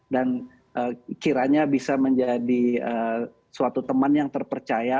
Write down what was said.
dan kiranya bisa menjadi suatu teman yang terpercaya